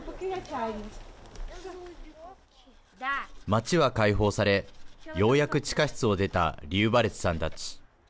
町は解放されようやく地下室を出たリウバレツさんたち。